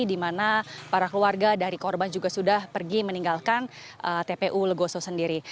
di mana para keluarga dari korban juga sudah pergi meninggalkan tpu legoso sendiri